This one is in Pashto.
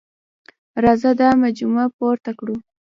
راځه دا مجموعه پوره کړو.